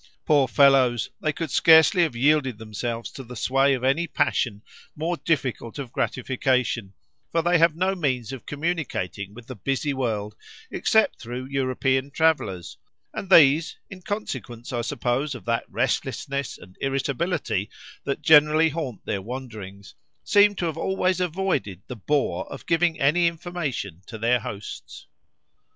Poor fellows! they could scarcely have yielded themselves to the sway of any passion more difficult of gratification, for they have no means of communicating with the busy world except through European travellers; and these, in consequence I suppose of that restlessness and irritability that generally haunt their wanderings, seem to have always avoided the bore of giving any information to their hosts.